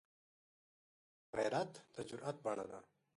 غیرت د جرئت بڼه ده